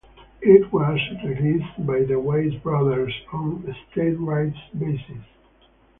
It was released by the Weiss Brothers on State Rights basis.